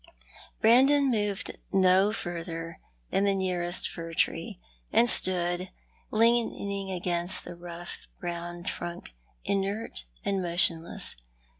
Brandon moved no further than the nearest fir tree, and stood leaning against the rough brown trunk, inert and motion less.